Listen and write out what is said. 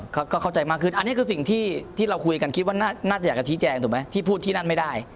เข้าใจมากขึ้นอันนี้คือสิ่งที่เราคุยกันคิดว่าน่าจะอยากจะชี้แจงถูกไหมที่พูดที่นั่นไม่ได้